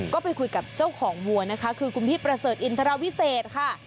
ก็ไปคุยกับเจ้าของวัวนะคะคือคุณพี่ประเสริฐอินทรวิเศษค่ะ